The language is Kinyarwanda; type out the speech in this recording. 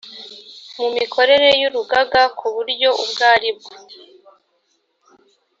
mu mikorere y urugaga ku buryo ubwo ari bwo